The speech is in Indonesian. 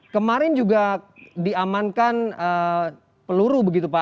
kemarin juga diamankan peluru begitu pak